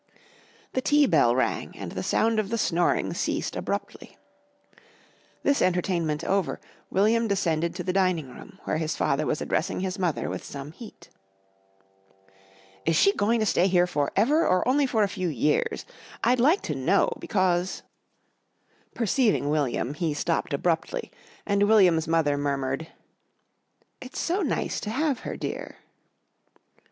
The tea bell rang and the sound of the snoring ceased abruptly. This entertainment over, William descended to the dining room, where his father was addressing his mother with some heat. "Is she going to stay here for ever, or only for a few years? I'd like to know, because " Perceiving William, he stopped abruptly, and William's mother murmured: "It's so nice to have her, dear."